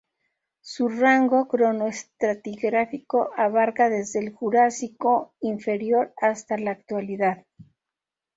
Su rango cronoestratigráfico abarca desde el Jurásico inferior hasta la Actualidad.